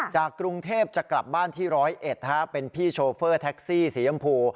จากกรุงเทพจะกลับบ้านที่ร้อยเอ็ดเป็นพี่โชเฟอร์แท็กซี่สียำพู